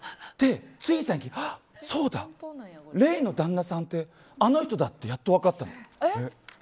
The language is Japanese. つい最近、そうだ礼の旦那さんってあの人だってやっと分かったの。